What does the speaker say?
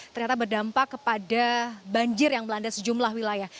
ternyata berdampak kepada banjir yang melanda sejumlah wilayah